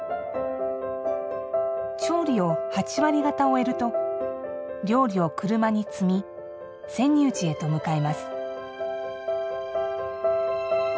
調理を８割方終えると料理を車に積み泉涌寺へと向かいます。